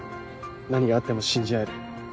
何があっても信じ合える。